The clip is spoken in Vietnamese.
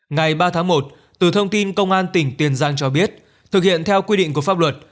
ngày ba tháng một từ thông tin công an tỉnh tiền giang cho biết thực hiện theo quy định của pháp luật